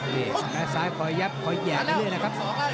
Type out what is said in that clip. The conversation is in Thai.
แล้วซ้ายคอยแยบคอยแยกไว้ด้วยนะครับ